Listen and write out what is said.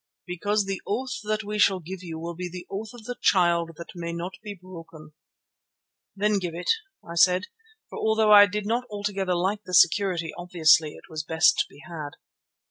"Because the oath that we shall give you will be the oath of the Child that may not be broken." "Then give it," I said, for although I did not altogether like the security, obviously it was the best to be had.